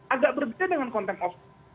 agak berbeda dengan konteks